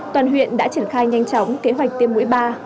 toàn huyện đã triển khai nhanh chóng kế hoạch tiêm mũi ba